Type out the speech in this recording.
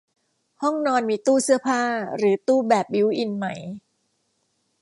ห้องนอนมีตู้เสื้อผ้าหรือตู้แบบบิลท์อินไหม